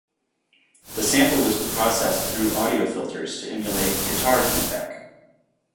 The sample was processed through audio filters to emulate guitar feedback.